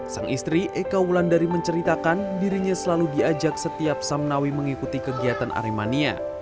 sang istri eka wulandari menceritakan dirinya selalu diajak setiap samnawi mengikuti kegiatan aremania